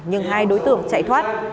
nhưng hai đối tượng chạy thoát